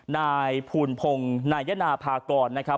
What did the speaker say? นายภูลพงศ์นายนาภากรนะครับ